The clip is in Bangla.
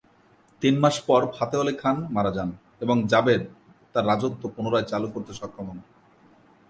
তিন মাস পর ফাতেহ আলী খান মারা যান এবং জাভেদ তার রাজত্ব পুনরায় চালু করতে সক্ষম হন।